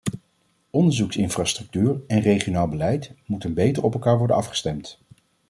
Onderzoeksinfrastructuur en regionaal beleid moeten beter op elkaar worden afgestemd.